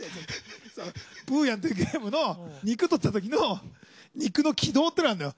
『プーヤン』っていうゲームの肉とったときの肉の軌道っていうのがあるのよ。